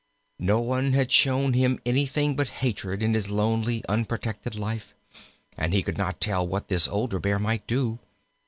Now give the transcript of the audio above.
No one had shown him anything but hatred in his lonely, unprotected life, and he could not tell what this older Bear might do.